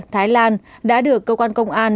thái lan đã được cơ quan công an